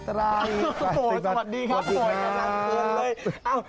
สวัสดีครับโหยกันทั้งคืนเลย